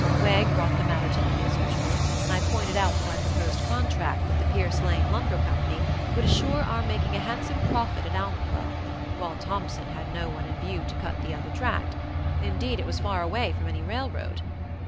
Wegg brought the matter to me, as usual, and I pointed out that my proposed contract with the Pierce Lane Lumber Company would assure our making a handsome profit at Almaquo, while Thompson had no one in view to cut the other tract. Indeed, it was far away from any railroad.